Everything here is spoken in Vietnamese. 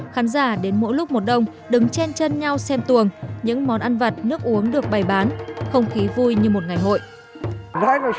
khán giả đến mỗi lúc một đồng đứng chen chân nhau xem tuồng những món ăn vật nước uống được bày bán không khí vui như một ngày hội